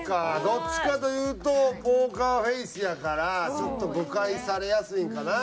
どっちかというとポーカーフェースやからちょっと誤解されやすいんかな？